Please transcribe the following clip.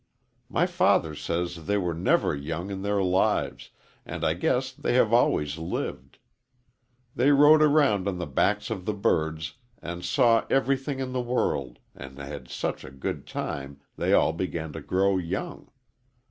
My father says they were never young in their lives, and I guess they have always lived. They rode around on the backs of the birds and saw everything in the world and had such a good time they all began to grow young.